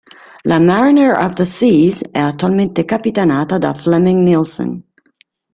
La "Mariner of the Seas" è attualmente capitanata da Flemming Nielsen.